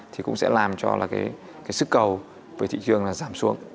thì cũng sẽ làm cho là cái sức cầu với thị trường là giảm xuống